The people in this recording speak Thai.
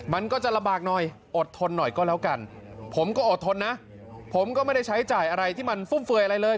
มันก็จะลำบากหน่อยอดทนหน่อยก็แล้วกันผมก็อดทนนะผมก็ไม่ได้ใช้จ่ายอะไรที่มันฟุ่มเฟือยอะไรเลย